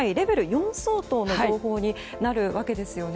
４相当の情報になるわけですよね。